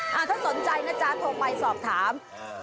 ถ้าสนใจนะจ๊ะโทรไปสอบถาม